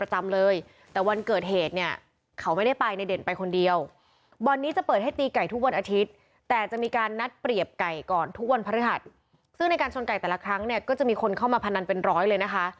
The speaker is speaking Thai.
หลักครั้งเนี่ยก็จะมีคนเข้ามาพันรันเป็นร้อยเลยนะคะ